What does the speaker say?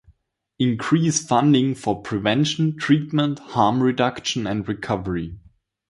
Increase funding for prevention, treatment, harm reduction, and recovery.